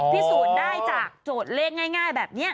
พิสูจน์ได้จากโจทย์เลขง่ายแบบนี้